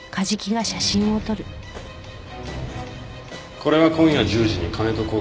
これは今夜１０時に金と交換だ。